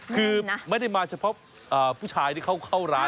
คือไม่ได้มาเฉพาะผู้ชายที่เขาเข้าร้าน